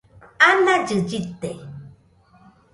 anallɨ llɨte